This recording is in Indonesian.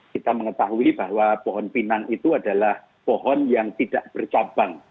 kita mengetahui bahwa pohon pinang itu adalah pohon yang tidak bercabang